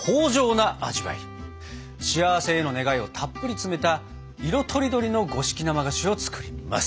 幸せへの願いをたっぷり詰めた色とりどりの五色生菓子を作ります！